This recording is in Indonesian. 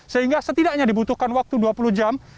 sehingga setidaknya dibutuhkan waktu dua puluh jam